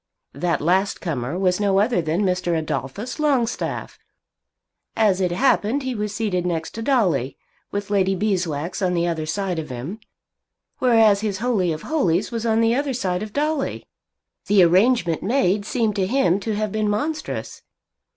That last comer was no other than Mr. Adolphus Longstaff. As it happened he was seated next to Dolly, with Lady Beeswax on the other side of him. Whereas his Holy of Holies was on the other side of Dolly! The arrangement made seemed to him to have been monstrous.